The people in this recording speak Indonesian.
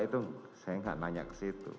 itu saya nggak nanya ke situ